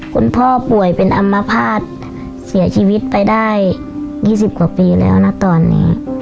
คุณพ่อป่วยเป็นอัมพาตเสียชีวิตไปได้๒๐กว่าปีแล้วนะตอนนี้